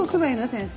先生。